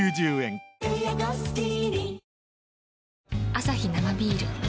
アサヒ生ビール